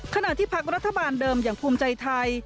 ขณะที่พักรัฐบาลเดิมอย่างภูมิใจไทย